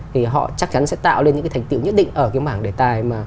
thì họ chắc chắn sẽ tạo lên những cái thành tiệu nhất định ở cái mảng đề tài mà